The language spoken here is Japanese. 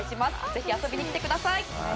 ぜひ遊びに来てください。